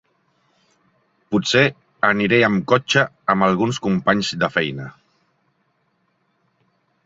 Potser aniré amb cotxe amb alguns companys de feina.